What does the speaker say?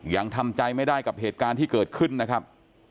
ยังทำใจไม่ได้กับเหตุการณ์ที่เกิดขึ้นนะครับ